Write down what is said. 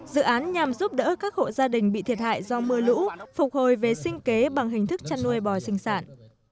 dự án nhằm giúp đỡ các hộ gia đình bị thiệt hại do mưa lũ phục hồi về sinh kế bằng hình thức chăn nuôi bò sinh sản